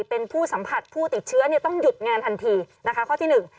เป็นผู้สัมผัสผู้ติดเชื้อต้องหยุดงานทันทีข้อที่๑